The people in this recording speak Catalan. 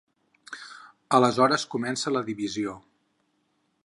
Aleshores comença la divisió.